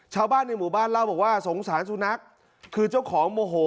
ชาวบ้านในหมู่บ้านเล่าบอกว่าสงสารสุนัขคือเจ้าของโมโห